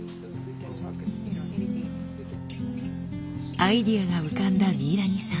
アイデアが浮かんだミイラニさん。